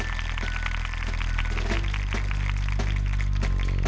โน้ท